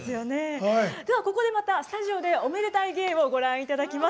ここでまたスタジオでおめでたい芸をご覧いただきます。